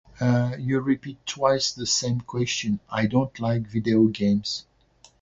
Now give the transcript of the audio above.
Uh, you repeat twice the same question. I don't like video games.